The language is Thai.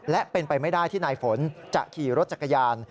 และเป็นไปไม่ได้ที่นายฝนจะขี่รถจักรยาน